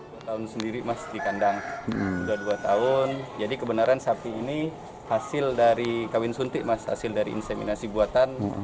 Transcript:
dua tahun sendiri dikandang jadi kebenaran sapi ini hasil dari kawin suntik hasil dari inseminasi buatan